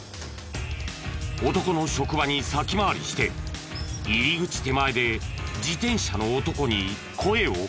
男の職場に先回りして入り口手前で自転車の男に声をかける。